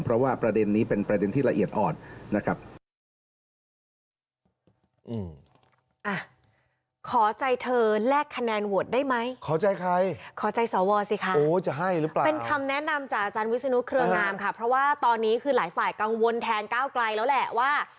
เพราะว่าตอนนี้คือหลายฝ่ายกังวลแทงก้าวไกลแล้วแหละว่า